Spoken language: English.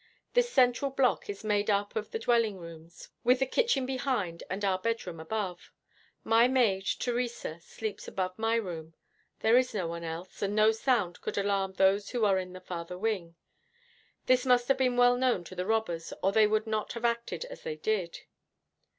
This central block is made up of the dwelling rooms, with the kitchen behind and our bedroom above. My maid, Theresa, sleeps above my room. There is no one else, and no sound could alarm those who are in the farther wing. This must have been well known to the robbers, or they would not have acted as they did.